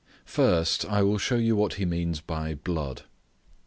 First, I will shew you what he means by "blood."